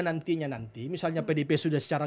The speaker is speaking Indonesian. nantinya nanti misalnya pdip sudah secara